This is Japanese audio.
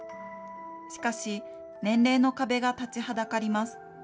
しかし、年齢の壁が立ちはだかります。